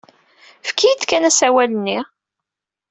Efk-iyi-d kan asawal-nni.